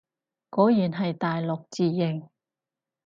果然係大陸字形